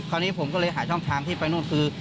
คราวนี้ผมก็เลยหาช่องทางที่ไปนู่นคือ